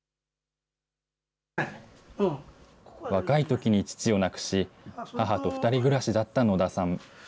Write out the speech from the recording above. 若いときに父を亡くし、母と２人暮らしだった野田さん。